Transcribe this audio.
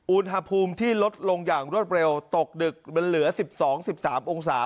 อุณหภูมิที่ลดลงอย่างรวดเร็วตกดึกมันเหลือ๑๒๑๓องศา